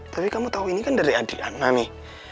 tapi kamu tahu ini kan dari adriana nih